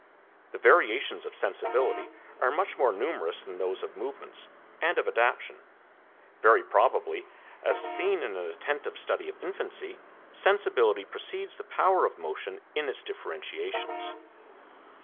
The variations of sensibility are much more numerous than those of movements and of adaptation; very probably, as is seen in an attentive study of infancy, sensibility precedes the power of motion in its differentiations.